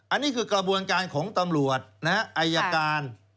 อันนี้คือกระบวนการของตำรวจนะฮะอายการ